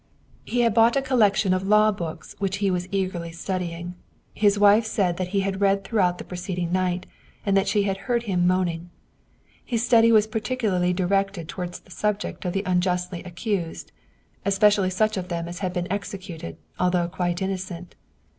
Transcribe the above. He had bought a collection of law books which he was eagerly studying. His wife said that he had read throughout the preceding night, and that she had heard him moaning. His study was particularly di rected toward the subject of the unjustly accused, especially such of them as had been executed, although quite innocent.